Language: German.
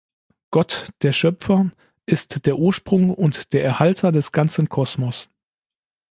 Gott, der Schöpfer, ist der Ursprung und der Erhalter des ganzen Kosmos.